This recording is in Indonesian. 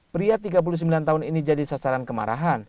pria tiga puluh sembilan tahun ini jadi sasaran kemarahan